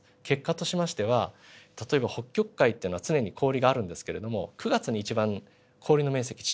結果としましては例えば北極海っていうのは常に氷があるんですけれども９月に一番氷の面積